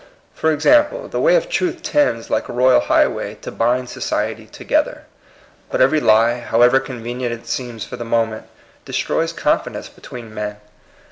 For example, the way of truth tends, like a royal highway, to bind society together. But every lie, however convenient it seems for the moment, de stroys confidence between men.